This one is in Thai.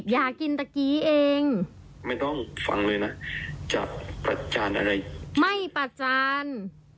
อย่ากินตะกี้เองไม่ได้ประจาน